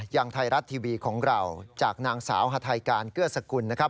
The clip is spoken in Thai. ยังไทยรัฐทีวีของเราจากนางสาวฮาไทยการเกื้อสกุลนะครับ